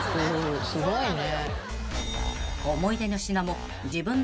すごいね。